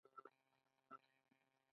د میرمنو کار د ودونو ځنډ ورکوي.